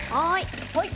はい。